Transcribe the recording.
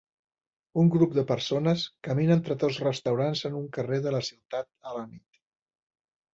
Un grup de persones camina entre dos restaurants en un carrer de la ciutat a la nit.